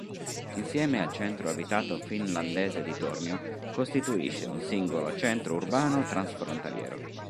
Insieme al centro abitato finlandese di Tornio costituisce un singolo centro urbano transfrontaliero.